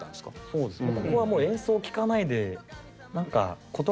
そうですね。